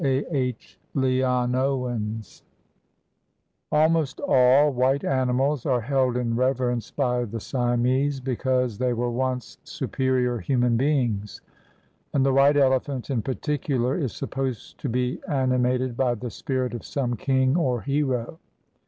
A. H. LEONOWENS Almost all white animals are held in reverence by the Siamese, because they were once superior human beings, and the white elephant, in particular, is supposed to be animated by the spirit of some king or hero.